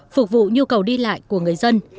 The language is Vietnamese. phục vụ nhu cầu đi lại của người dân